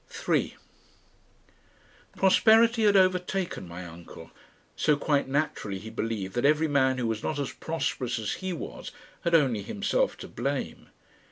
3 Prosperity had overtaken my uncle. So quite naturally he believed that every man who was not as prosperous as he was had only himself to blame.